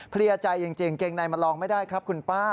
เลียใจจริงเกงในมันลองไม่ได้ครับคุณป้า